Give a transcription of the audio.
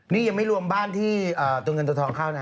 นี่ยังไม่รวมบ้านที่ตัวเงินตัวทองเข้านะ